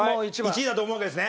１位だと思うんですね。